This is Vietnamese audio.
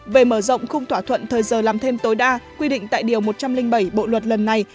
về mở rộng khung thỏa thuận thời giờ làm thêm tối đa quy định tại điều một trăm linh bảy bộ luật lần này